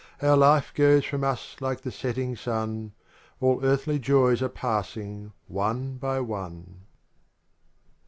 Our life goes from us like the setting sun, All earthly joys are passing one by one.